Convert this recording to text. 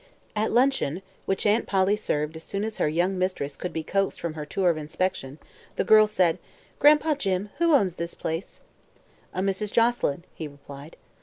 At luncheon, which Aunt Polly served as soon as her young mistress could be coaxed from her tour of inspection, the girl said: "Gran'pa Jim, who owns this place?" "A Mrs. Joselyn," he replied.